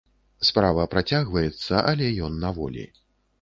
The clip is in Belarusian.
Справа працягваецца, але ён на волі.